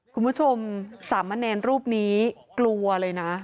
คุณผู้ชมสามเณรรูปนี้กลัวเลยนะ